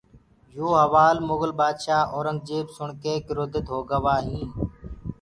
يي هوآل مُگل بآدشآه اورنٚگجيب سُڻڪي ڪروڌِتِ هوگوائينٚ